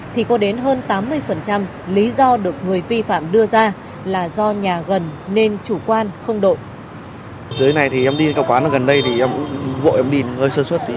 thì có đến hơn tám mươi lý do được người vi phạm đưa ra là do nhà gần nên chủ quan không đội